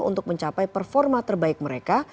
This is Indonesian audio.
untuk mencapai performa terbaik mereka